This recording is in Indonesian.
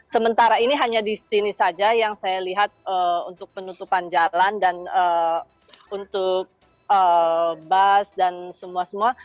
sementara ini hanya di sini saja yang saya lihat untuk penutupan jalan dan untuk bus dan semua semua